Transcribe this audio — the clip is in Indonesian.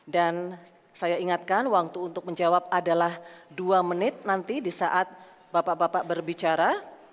dan saya ingatkan waktu untuk menjawab adalah dua menit nanti di saat bapak bapak berbicara